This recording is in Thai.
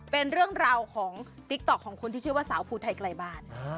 เป็นเรื่องราวของติ๊กต๊อกของคนที่ชื่อว่าสาวภูไทยไกลบ้าน